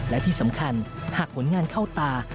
และที่สำคัญหากผลงานเข้าตา